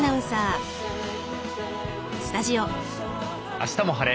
「あしたも晴れ！